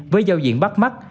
với giao diện bắt mắt